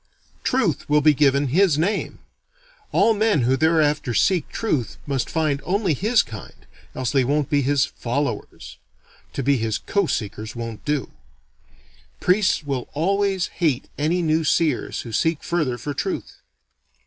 Truth will be given his name. All men who thereafter seek truth must find only his kind, else they won't be his "followers." (To be his co seekers won't do.) Priests will always hate any new seers who seek further for truth.